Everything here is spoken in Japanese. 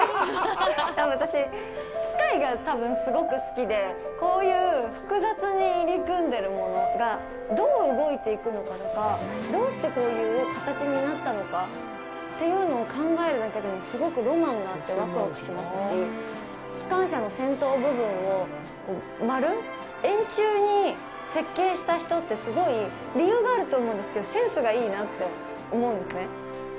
私、機械が多分すごく好きでこういう複雑に入り組んでるものがどう動いていくのかとかどうしてこういう形になったのかっていうのを考えるだけでもすごくロマンがあってわくわくしますし機関車の先頭部分を丸、円柱に設計した人ってすごい理由があると思うんですけどセンスがいいなって思うんですね。